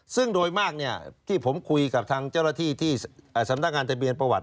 ซึ่งโดยมากที่ผมคุยกับทางเจ้าหน้าที่ที่สำนักงานทะเบียนประวัติ